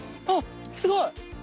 あっすごい！